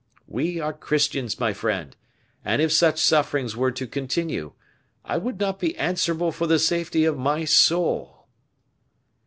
We are Christians, my friend, and if such sufferings were to continue, I would not be answerable for the safety of my soul."